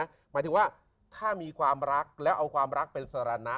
หมายถึงว่าถ้ามีความรักแล้วเอาความรักเป็นสารณะ